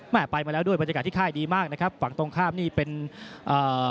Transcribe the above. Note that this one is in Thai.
ไปมาแล้วด้วยบรรยากาศที่ค่ายดีมากนะครับฝั่งตรงข้ามนี่เป็นเอ่อ